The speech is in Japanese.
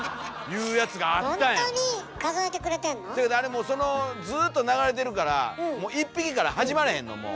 もうずっと流れてるからもう１匹から始まらへんのもう。